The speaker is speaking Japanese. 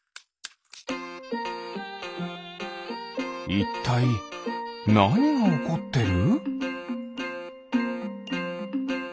いったいなにがおこってる？